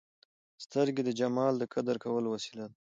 سترګې د جمال د قدر کولو وسیله ده